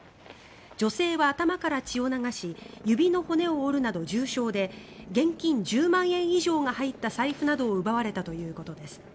女性は頭から血を流し指の骨を折るなど重傷で現金１０万円以上が入った財布などを奪われたということです。